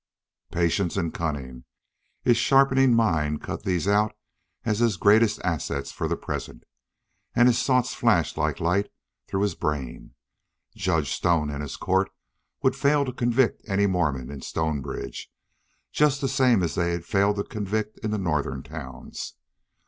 Patience and cunning! His sharpening mind cut these out as his greatest assets for the present. And his thoughts flashed like light through his brain.... Judge Stone and his court would fail to convict any Mormon in Stonebridge, just the same as they had failed in the northern towns.